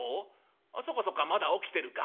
「あそうかそうかまだ起きてるか。